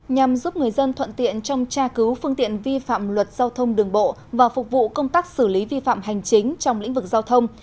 nhằm giúp người dân thuận tiện trong tra cứu phương tiện vi phạm luật giao thông đường bộ và phục vụ công tác xử lý vi phạm hành chính trong lĩnh vực giao thông